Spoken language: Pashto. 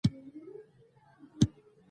دویمه سطح مستقل موضوع ګرځي.